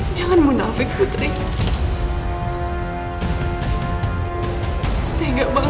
dan kau sama dua belas pul facilitas